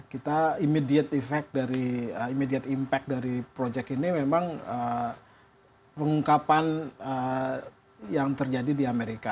kita immediate effect dari immediate impact dari project ini memang pengungkapan yang terjadi di amerika